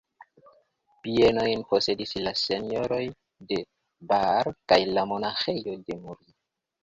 Bienojn posedis la Senjoroj de Baar kaj la Monaĥejo de Muri.